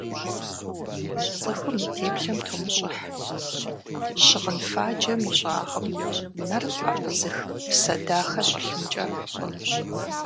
Цӏыхум и теплъэм тумыщӏыхь: щыгъын фаджэм и щӏагъым нэр пӏэпызых псэ дахэ щӏэлъынкӏэ хъунущ.